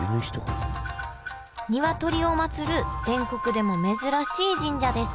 ニワトリを祭る全国でも珍しい神社です